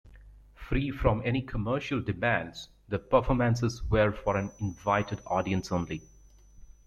Free from any commercial demands, their performances were for an invited audience only.